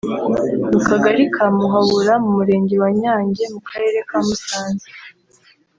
mu Kagali ka Muhabura mu Murenge wa Nyange mu Karere ka Musanze